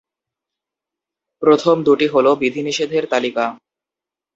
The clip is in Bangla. প্রথম দুটি হল বিধিনিষেধের তালিকা।